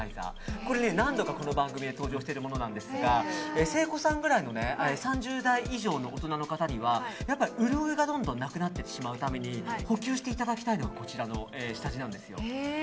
これ、何度かこの番組で登場しているものなんですが誠子さんぐらいの３０代以上の大人の方にはやっぱり潤いがどんどんなくなっていってしまうために補給していただきたいのはこちらの下地なんですよ。